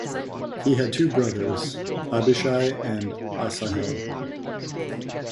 He had two brothers, Abishai and Asahel.